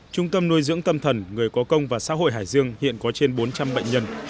trung tâm nuôi dưỡng tâm thần người có công và xã hội hải dương hiện có trên bốn trăm linh bệnh nhân